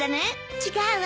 違うわ。